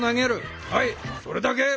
はいそれだけ！